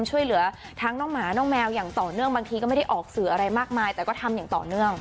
ช่วยเหลือทั้งน้องหมาน้องแมวอย่างต่อเนื่องบางทีก็ไม่ได้ออกสื่ออะไรมากมายแต่ก็ทำอย่างต่อเนื่อง